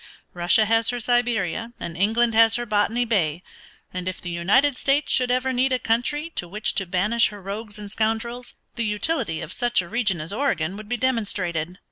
Russia has her Siberia and England has her Botany Bay, and if the United States should ever need a country to which to banish her rogues and scoundrels, the utility of such a region as Oregon would be demonstrated.